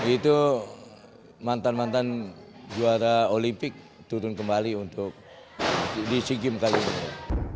itu mantan mantan juara olimpik turun kembali untuk di sea games kali ini